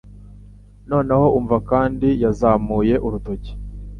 noneho umva kandi yazamuye urutoki